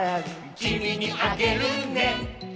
「きみにあげるね」